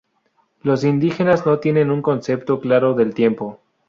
Los indígenas no tienen un concepto claro del tiempo.